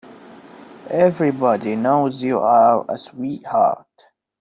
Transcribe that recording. Everybody knows you're a sweetheart.